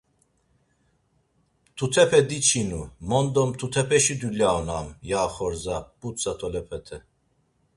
Mtutepe diçinu, mondo mtutepeşi dulya on ham.” ya oxorza, p̌utza tolepete.